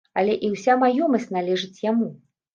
Але і ўся маёмасць належыць яму.